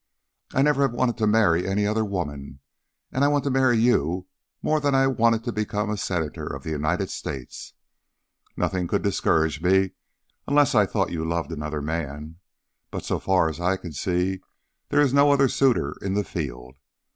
I never have wanted to marry any other woman, and I want to marry you more than I wanted to become a Senator of the United States. Nothing could discourage me unless I thought you loved another man, but so far as I can see there is no other suitor in the field.